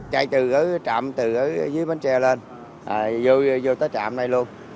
chạy từ trạm từ dưới bến tre lên vô tới trạm đây luôn